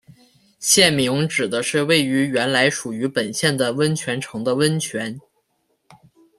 县名指的是位于原来属于本县的温泉城的温泉。